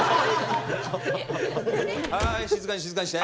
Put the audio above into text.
はい静かに静かにして。